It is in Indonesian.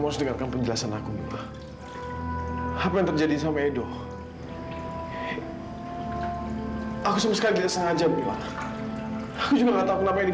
sampai jumpa di video selanjutnya